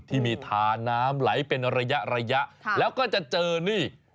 ที่มีทาน้ำไหลเป็นระยะระยะแล้วก็จะเจอนี่